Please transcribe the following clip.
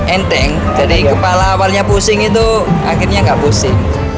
enteng jadi kepala awalnya pusing itu akhirnya nggak pusing